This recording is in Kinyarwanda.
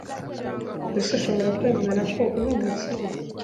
Mbese ushobora kwemera ko uri umukire